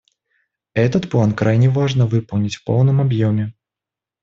Этот план крайне важно выполнить в полном объеме.